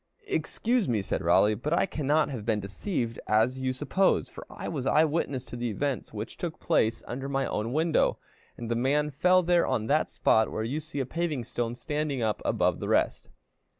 "Excuse me," said Raleigh, "but I cannot have been deceived as you suppose, for I was eye witness to the events which took place under my own window, and the man fell there on that spot where you see a paving stone standing up above the rest."